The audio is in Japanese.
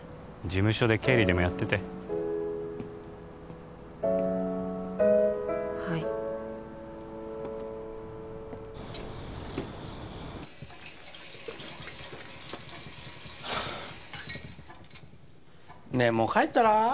事務所で経理でもやっててはいねえもう帰ったら？